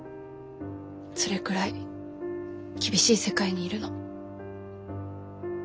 それくらい厳しい世界にいるの。